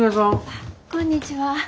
あっこんにちは。